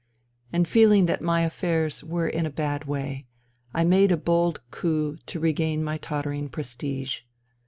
And feeling that my affairs were in a bad way I made a bold coup to regain my tottering prestige.